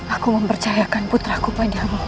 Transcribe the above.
aku mempercayakan putraku padamu